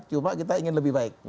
cuma kita ingin lebih baik